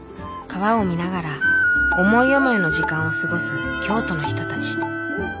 川を見ながら思い思いの時間を過ごす京都の人たち。